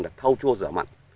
để thau chua rửa mặn